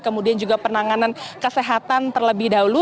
kemudian juga penanganan kesehatan terlebih dahulu